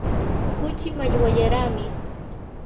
kuchii mallwallaraami.